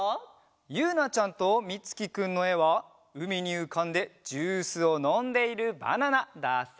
ゆうなちゃんとみつきくんのえはうみにうかんでジュースをのんでいるバナナだそうです。